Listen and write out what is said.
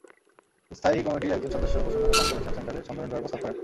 স্থায়ী কমিটির একজন সদস্য বসুন্ধরা কনভেনশন সেন্টারে সম্মেলন করার প্রস্তাব করেন।